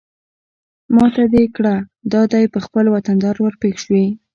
ما ته يې کړه دا دى په خپل وطندار ورپېښ شوې.